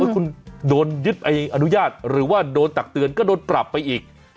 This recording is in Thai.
คุณโดนยึดอนุญาตหรือว่าโดนตักเตือนก็โดนปรับไปอีก